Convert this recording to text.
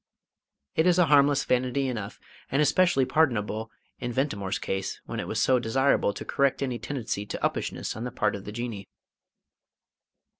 It is a harmless vanity enough, and especially pardonable in Ventimore's case, when it was so desirable to correct any tendency to "uppishness" on the part of the Jinnee.